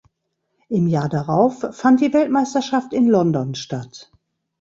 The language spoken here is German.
Im Jahr darauf fand die Weltmeisterschaft in London statt.